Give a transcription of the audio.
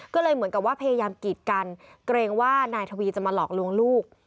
ก็เลยเหมือนกับว่าพยายามกีดกันเกรงว่านายทวีจะมาหลอกลวงลูก